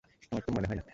আমার তো মনে হয় না।